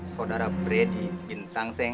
saudara bredty bin tangseng